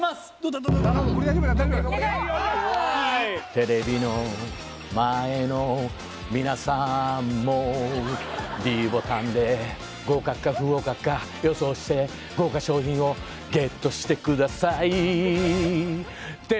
テレビの前の皆さんもｄボタンで合格か不合格か予想して豪華賞品をＧＥＴしてください